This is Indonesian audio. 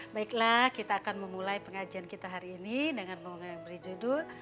baiklah kita akan memulai pengajian kita hari ini dengan menggunakan yang berjudul